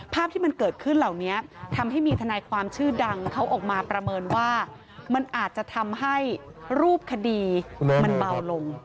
ภาพที่มันเกิดขึ้นเหล่านี้ทำให้มีทนายความชื่อดังเขาออกมาประเมินว่ามันอาจจะทำให้รูปคดีมันเบาลง